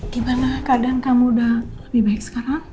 gimana keadaan kamu udah lebih baik sekarang